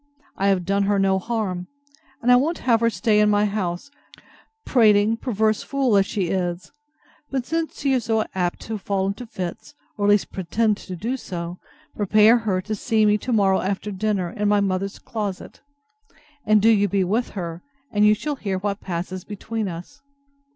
I have done her no harm. And I won't have her stay in my house; prating, perverse fool, as she is! But since she is so apt to fall into fits, or at least pretend to do so, prepare her to see me to morrow after dinner, in my mother's closet, and do you be with her, and you shall hear what passes between us.